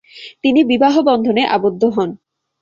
তিনি বিবাহ বন্ধনে আবদ্ধ হন।